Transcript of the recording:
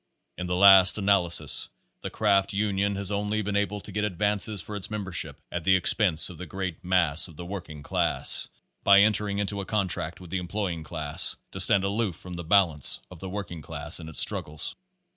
In the last analysis the craft union has Pace Twelve only been able to get advantages for its membership at the expense of the great mass pf the working class, by entering into a contract with the employing class to stand aloof from the balance of the working class in its struggles.